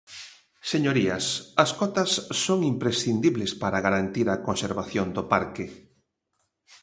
Señorías, as cotas son imprescindibles para garantir a conservación do parque.